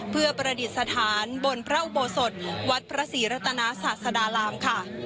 เพื่อประดิษฐานบนพระอุโบสถวัดพระศรีรัตนาศาสดารามค่ะ